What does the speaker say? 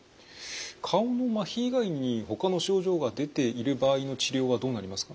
顔のまひ以外にほかの症状が出ている場合の治療はどうなりますか？